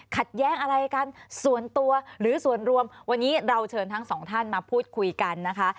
ขัดแย้งอะไรกันส่วนตัวหรือส่วนรวมวันนี้เราเชิญทั้งสองท่านมาพูดคุยกันนะคะ